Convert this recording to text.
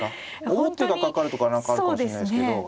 王手がかかるとかは何かあるかもしれないですけど。